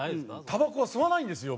たばこは吸わないんですよ